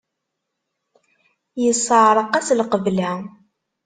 Yesseɛreq-as lqebla.